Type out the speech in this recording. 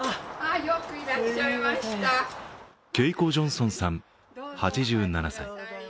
恵子・ジョンソンさん８７歳。